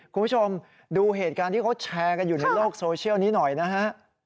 คุณผู้ชมดูเหตุการณ์ที่เขาแชร์กันอยู่ในโลกโซเชียลนี้หน่อยนะฮะ